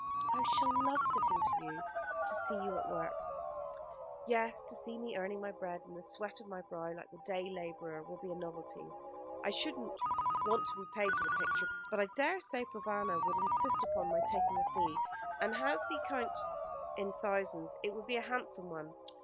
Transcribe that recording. "I shall love sitting to you. To see you at work " "Yes, to see me earning my bread in the sweat of my brow, like the day labourer, will be a novelty. I shouldn't want to be paid for the picture, but I dare say Provana would insist upon my taking a fee, and as he counts in thousands, it would be a handsome one.